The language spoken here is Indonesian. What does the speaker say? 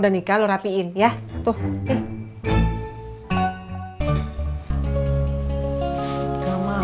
udah nikah lu rapiin ya tuh nih